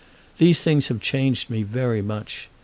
These things have changed me very much.